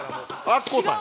アッコさん。